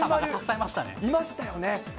いましたよね。